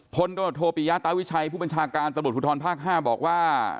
พลโดนโทปิยะตาวิชัยผู้บัญชาการตระบุถุทรภาค๕บอกว่า